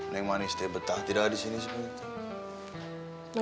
neng manis tebetah tidak disini sebenarnya